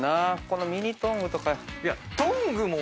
このミニトングとか。